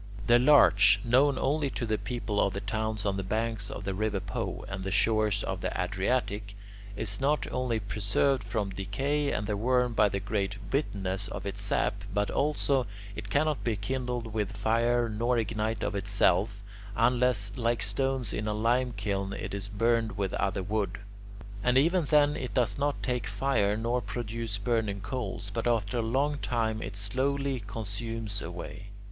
The larch, known only to the people of the towns on the banks of the river Po and the shores of the Adriatic, is not only preserved from decay and the worm by the great bitterness of its sap, but also it cannot be kindled with fire nor ignite of itself, unless like stone in a limekiln it is burned with other wood. And even then it does not take fire nor produce burning coals, but after a long time it slowly consumes away.